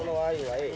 ええ。